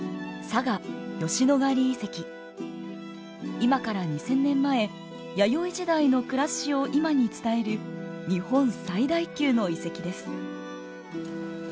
今から２，０００年前弥生時代の暮らしを今に伝える日本最大級の遺跡です。